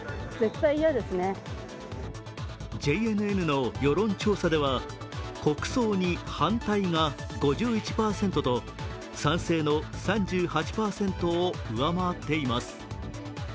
ＪＮＮの世論調査では、国葬に反対が５１％と、賛成の３８％を上回っています。